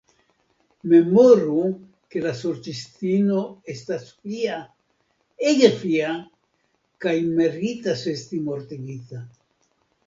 Memoru ke la Sorĉistino estas Fia, ege Fia, kaj meritas esti mortigita.